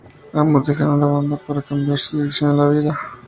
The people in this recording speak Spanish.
Ambos dejaron la banda para cambiar su dirección en la vida.